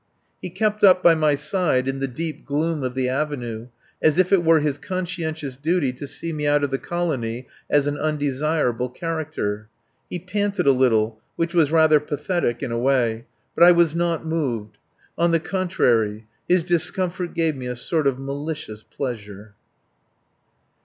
He kept up by my side in the deep gloom of the avenue as if it were his conscientious duty to see me out of the colony as an undesirable character. He panted a little, which was rather pathetic in a way. But I was not moved. On the contrary. His discomfort gave me a sort of malicious pleasure.